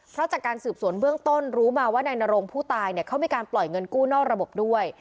เพราะจากการสืบสวนเบื้องต้นรู้มาว่านายนรงผู้ตายเนี่ยเขามีการปล่อยเงินกู้นอกระบบด้วย